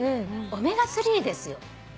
オメガ３ですよ。